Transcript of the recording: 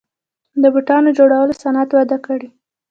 د بوټانو جوړولو صنعت وده کړې